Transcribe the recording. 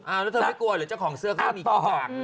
อ้าวแล้วเธอไม่กลัวหรือเจ้าของเสื้อเขามีขี้กาก